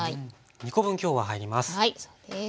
２コ分今日は入ります。